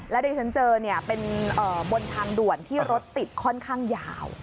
และที่ฉันเจอเนี่ยเป็นบนทางด่วนที่รถติดค่อนข้างยาว